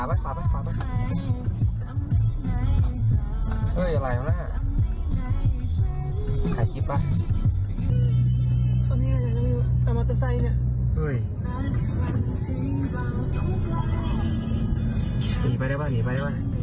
มันเกือบชนรถตู้หน่อยว่าเจ้า